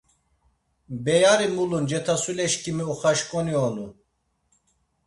Beyari mulun cetasuleşǩimi oxaşǩoni onu.